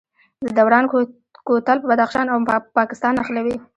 د دوراه کوتل بدخشان او پاکستان نښلوي